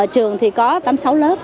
trường thì có tám mươi sáu lớp